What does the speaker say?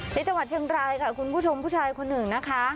ที่จังหวัดเชียงรายค่ะคุณผู้ชมผู้ชายคนหนึ่งนะคะ